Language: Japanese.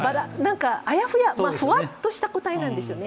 あやふや、ふわっとした答えなんですよね。